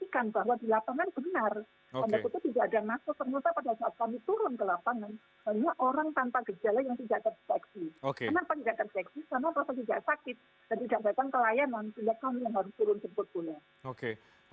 tidak kami yang harus turun ke depan